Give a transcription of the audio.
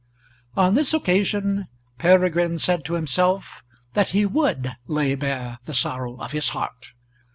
On this occasion Peregrine said to himself that he would lay bare the sorrow of his heart.